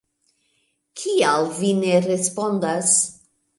Kial vi ne respondas?